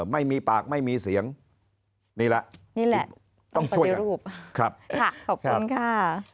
ไม่มีปากไม่มีเสียงนี่แหละนี่แหละต้องช่วยรูปครับค่ะขอบคุณค่ะ